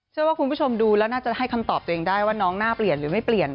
เชื่อว่าคุณผู้ชมดูแล้วน่าจะให้คำตอบตัวเองได้ว่าน้องหน้าเปลี่ยนหรือไม่เปลี่ยน